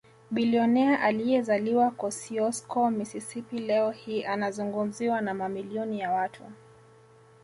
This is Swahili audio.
Bilionea aliyezaliwa Kosiosko Mississippi leo hii anazungumziwa na mamilioni ya watu